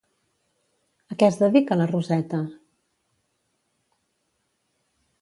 A què es dedica la Roseta?